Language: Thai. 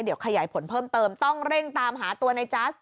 เดี๋ยวขยายผลเพิ่มเติมต้องเร่งตามหาตัวในจัส